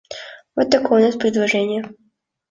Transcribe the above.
Вот такое у нас предложение.